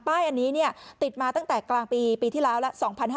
ป้ายอันนี้เนี้ยติดมาตั้งแต่กล่างปีปีที่เหล้าละ๒๕๖๒